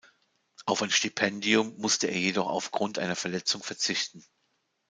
Auf ein Stipendium musst er jedoch aufgrund einer Verletzung verzichten.